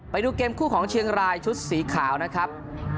ไปดูเกมคู่ของเชียงรายชุดสีขาวนะครับ